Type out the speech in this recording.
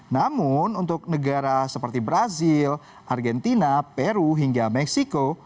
namun untuk negara seperti brazil argentina peru hingga meksiko